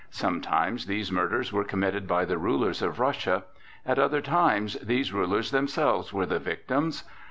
Sometimes these murders were committed by the rulers of Russia, at other times these rulers themselves were the victims.